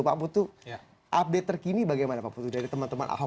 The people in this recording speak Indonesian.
pak putu update terkini bagaimana pak putu dari teman teman ahok